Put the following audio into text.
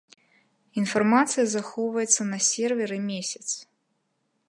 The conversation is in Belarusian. Інфармацыя захоўваецца на серверы месяц.